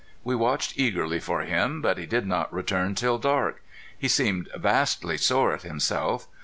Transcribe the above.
We watched eagerly for him, but he did not return till dark. He seemed vastly sore at himself.